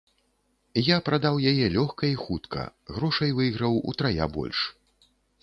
Я прадаў яе лёгка і хутка, грошай выйграў утрая больш.